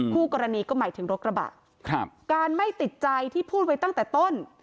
คู่กรณีก็หมายถึงรถกระบะครับการไม่ติดใจที่พูดไว้ตั้งแต่ต้น